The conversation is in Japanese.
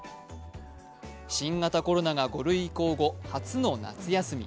新型コロナが５類移行後初の夏休み。